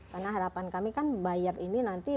karena harapan kami kan buyer ini nanti